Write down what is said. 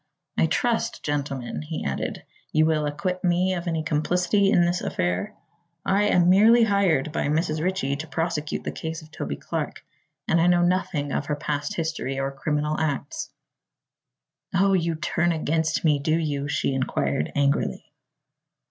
"I trust, gentlemen," he added, "you will acquit me of any complicity in this affair. I am merely hired by Mrs. Ritchie to prosecute the case of Toby Clark and know nothing of her past history or criminal acts." "Oh, you turn against me, do you?" she inquired angrily.